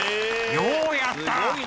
ようやった！